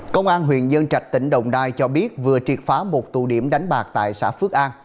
công an huyện dân trạch tỉnh đồng đai cho biết vừa triệt phá một tù điểm đánh bạc tại xã phước an